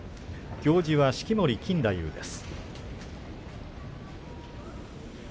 行司は式守錦太夫です。